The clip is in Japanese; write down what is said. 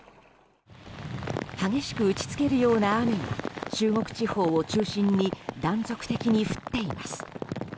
激しく打ち付けるような雨が中国地方を中心に断続的に降っています。